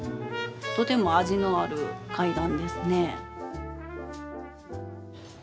とても味のある階段ですね。